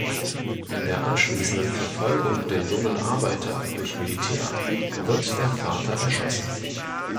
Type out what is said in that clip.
In der anschließenden Verfolgung der jungen Arbeiter durch Militär wird der Vater erschossen.